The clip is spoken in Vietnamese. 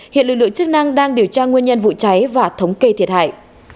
hiện lực lượng chức năng đang điều tra nguyên nhân vụ cháy và thống kê thiệt hại